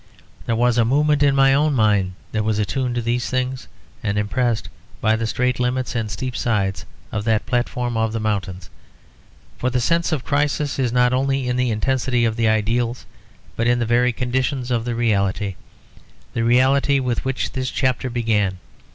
There was a movement in my own mind that was attuned to these things, and impressed by the strait limits and steep sides of that platform of the mountains; for the sense of crisis is not only in the intensity of the ideals, but in the very conditions of the reality, the reality with which this chapter began.